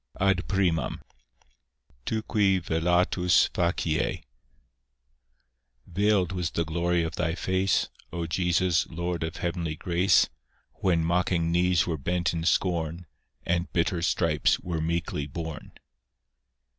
_ (AD PRIMAM) (Tu qui velatus facie) I Veiled was the glory of Thy face, O Jesus, Lord of heavenly grace, When mocking knees were bent in scorn, And bitter stripes were meekly borne.